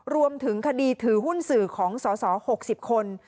รวมถึงคดีถือหุ้นสื่อของสส๖๐คน